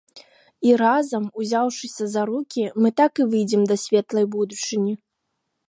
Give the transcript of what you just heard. І разам, узяўшыся за рукі, мы так і выйдзем да светлай будучыні.